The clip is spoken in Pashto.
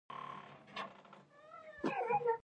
لیکوالان د ژبې غښتلي ستني دي.